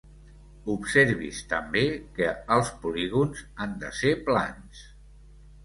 Observi's també que els polígons han de ser plans.